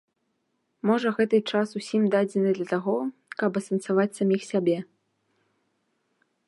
Можа, гэты час усім дадзены для таго, каб асэнсаваць саміх сябе.